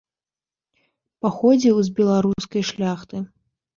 Паходзіў з беларускай шляхты.